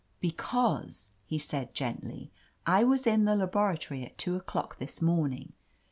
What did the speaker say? '* "Because," he said gently, "I was in the laboratory at two o'clock this morning.